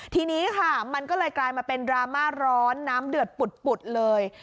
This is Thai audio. ทีนี้ค่ะมันก็เลยกลายมาเป็นดราม่าร้อนน้ำเดือดปุดเลย